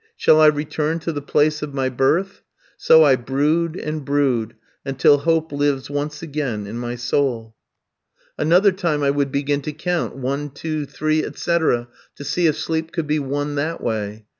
Shall I return to the place of my birth? So I brood, and brood, until hope lives once again in my soul. Another time I would begin to count, one, two, three, etc., to see if sleep could be won that way.